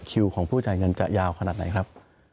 คิวของผู้จ่ายเงินจะยาวขนาดไหนครับ